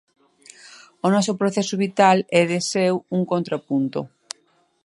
O noso proceso vital é de seu un contrapunto.